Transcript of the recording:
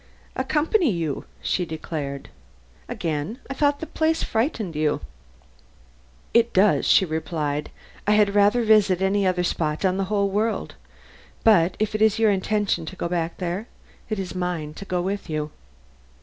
"Accompany you," she declared. "Again? I thought the place frightened you." "It does," she replied. "I had rather visit any other spot in the whole world; but if it is your intention to go back there, it is mine to go with you."